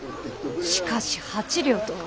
しかし８両とは。